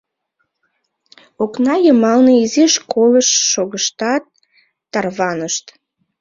Окна йымалне изиш колышт шогыштат, тарванышт.